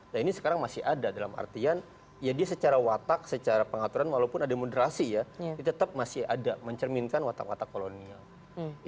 nah ini sekarang masih ada dalam artian ya dia secara watak secara pengaturan walaupun ada moderasi ya tetap masih ada mencerminkan watak watak kolonial